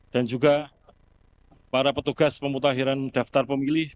dan juga para petugas pemutahiran daftar pemilih